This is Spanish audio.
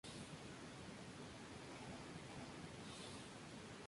Los capiteles están decorados con volutas.